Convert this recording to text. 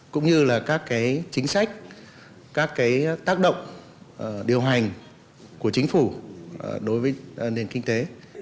cũng như là các chính sách các tác động điều hành của chính phủ đối với nền kinh tế